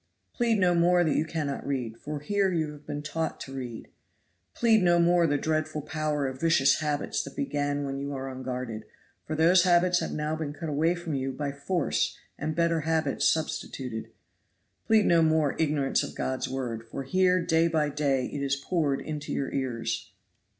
"Plead no more that you cannot read, for here you have been taught to read. "Plead no more the dreadful power of vicious habits that began when you were unguarded, for those habits have now been cut away from you by force and better habits substituted. "Plead no more ignorance of God's Word, for here day by day it is poured into your ears.